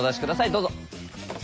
どうぞ。